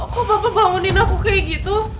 kok bapak bangunin aku kayak gitu